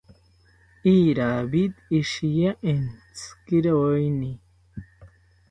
Iravid ishiya entzikiroeni